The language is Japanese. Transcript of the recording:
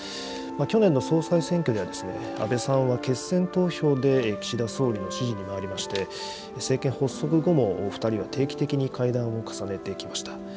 去年の総裁選挙では、安倍さんは決選投票で岸田総理の支持に回りまして、政権発足後も２人は定期的に会談を重ねてきました。